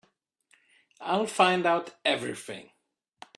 I'll find out everything.